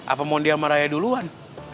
apa mondi sama raya duluan